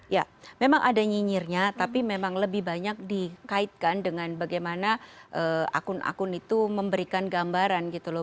ya memang ada nyinyirnya tapi memang lebih banyak dikaitkan dengan bagaimana akun akun itu memberikan gambaran gitu loh